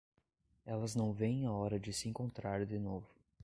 Elas não veem a hora de se encontrar de novo.